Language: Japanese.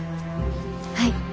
はい。